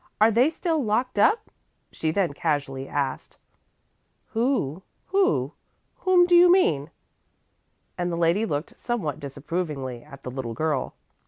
"Are they still locked up?" she then casually asked. "Who? Who? Whom do you mean?" and the lady looked somewhat disapprovingly at the little girl.